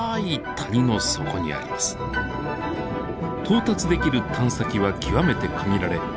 到達できる探査機は極めて限られ